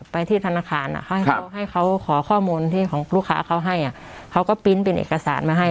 ไปที่ธนาคารเขาให้เขาขอข้อมูลที่ของลูกค้าเขาให้เขาก็ปริ้นต์เป็นเอกสารมาให้